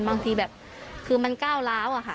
บางทีแบบคือมันก้าวร้าวอะค่ะ